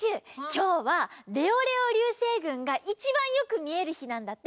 きょうはレオレオりゅうせいぐんがいちばんよくみえるひなんだって。